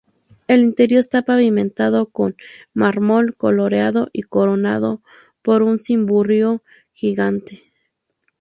El interior está pavimentado con mármol coloreado y coronado por un cimborrio gigante.